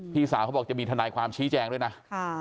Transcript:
พี่สาวเขาบอกจะมีทนายความชี้แจงด้วยนะ